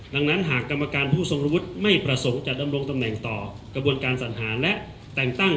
ดังนั้นหากกรรมการผู้ทรงวุฒิไม่ประสงค์จะดำรงตำแหน่งต่อกระบวนการสัญหาและแต่งตั้ง